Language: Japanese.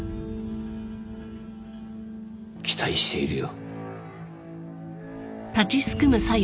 期待しているよ。